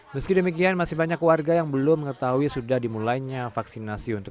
meski demikian masih banyak warga yang belum mengetahui sudah dimulainya vaksinasi untuk